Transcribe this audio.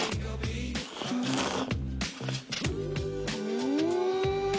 うん！